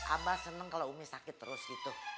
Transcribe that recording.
abah senang kalau umi sakit terus gitu